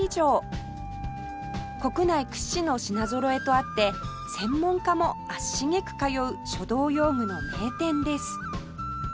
国内屈指の品ぞろえとあって専門家も足しげく通う書道用具の名店です